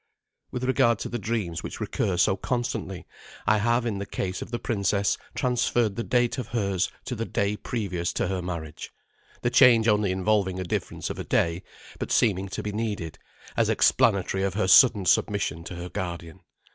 With regard to the dreams which recur so constantly, I have in the case of the princess transferred the date of hers to the day previous to her marriage, the change only involving a difference of a day, but seeming to he needed, as explanatory of her sudden submission to her guardian.